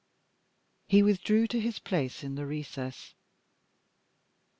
He withdrew to his place in the recess.